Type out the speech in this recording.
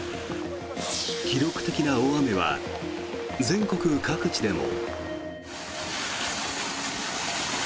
記録的な大雨は全国各地でも。